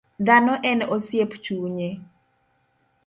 Dhano en osiep chunye.